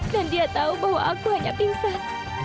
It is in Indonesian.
dan dia tahu bahwa aku hanya pingsan